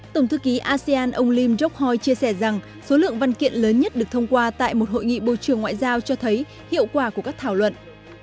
tổng thư ký asean ông lim jokhoy chia sẻ rằng số lượng văn kiện lớn nhất được thông qua tại một hội nghị bộ trưởng ngoại giao cho thấy hiệu quả của các thảo luận